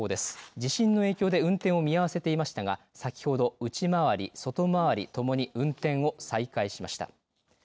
地震の影響で運転を見合わせていましたが先ほど内回り、外回りともに運転を再開しました。